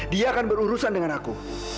dia akan berurusan dengan aku